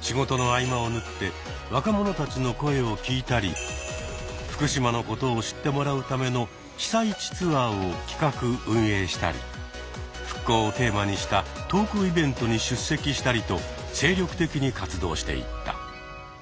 仕事の合間を縫って若者たちの声を聞いたり福島のことを知ってもらうための被災地ツアーを企画運営したり復興をテーマにしたトークイベントに出席したりと精力的に活動していった。